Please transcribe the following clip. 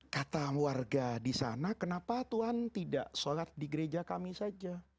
kata warga di sana kenapa tuhan tidak sholat di gereja kami saja